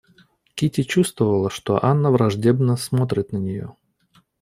Кити чувствовала, что Анна враждебно смотрит на нее.